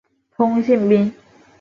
通信兵。